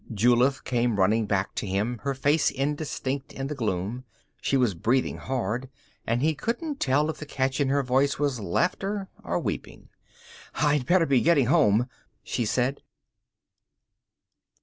Julith came running back to him, her face indistinct in the gloom. She was breathing hard, and he couldn't tell if the catch in her voice was laughter or weeping. "I'd better be getting home," she said.